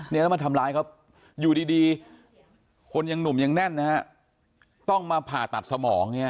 แล้วมาทำร้ายเขาอยู่ดีคนยังหนุ่มยังแน่นนะฮะต้องมาผ่าตัดสมองเนี่ย